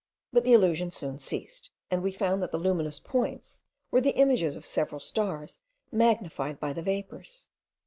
But the illusion soon ceased, and we found that the luminous points were the images of several stars magnified by the vapours.